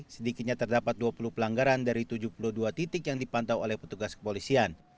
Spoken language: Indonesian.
sedikitnya terdapat dua puluh pelanggaran dari tujuh puluh dua titik yang dipantau oleh petugas kepolisian